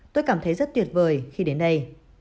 tôi cảm thấy rất tuyệt vời khi đến đây